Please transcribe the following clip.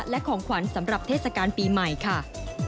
และของขวัญสำหรับเทศกาลปีใหม่ค่ะ